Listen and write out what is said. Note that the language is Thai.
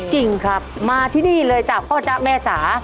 จริงครับมาที่นี่เลยจ้ะพ่อจ๊ะแม่จ๋า